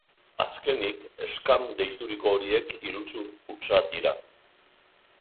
Azkenik, scam deituriko horiek iruzur hutsa dira.